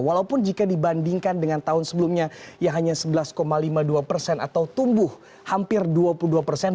walaupun jika dibandingkan dengan tahun sebelumnya yang hanya sebelas lima puluh dua persen atau tumbuh hampir dua puluh dua persen